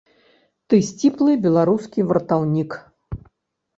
Ты сціплы беларускі вартаўнік.